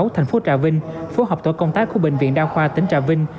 tp trà vinh phố học tổ công tác của bệnh viện đao khoa tỉnh trà vinh